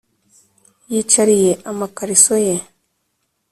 Yicariye ama kariso ye